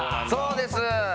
そうです。